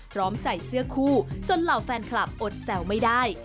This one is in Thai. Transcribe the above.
ใส่เสื้อคู่จนเหล่าแฟนคลับอดแซวไม่ได้